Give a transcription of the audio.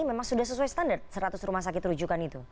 memang sudah sesuai standar seratus rumah sakit rujukan itu